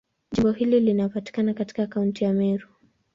Jimbo hili linapatikana katika Kaunti ya Meru.